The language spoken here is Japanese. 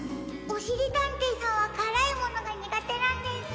おしりたんていさんはからいものがにがてなんです。